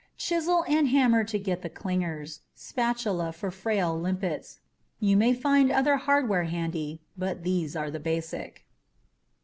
CHISEL and HAMMER to get the clingers, spatula for frail limpets. You may find other hardware handy, but these are basic.